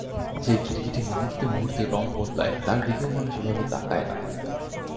যে গিরগিটি মুহুর্তে মুহুর্তে রঙ বদলায় তার দিকেও মানুষ এভাবে তাকায় না।